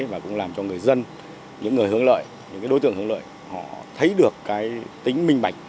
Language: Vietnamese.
và cũng làm cho người dân những người hướng lợi những đối tượng hướng lợi họ thấy được tính minh bạch